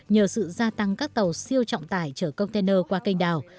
nhờ sự gia tăng các tàu siêu trọng tải chở container qua kênh đào